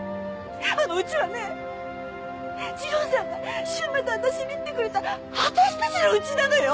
あのうちはね次郎さんが柊磨と私にってくれた私たちのうちなのよ。